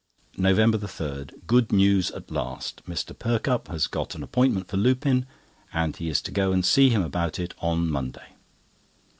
NOVEMBER 3.—Good news at last. Mr. Perkupp has got an appointment for Lupin, and he is to go and see about it on Monday.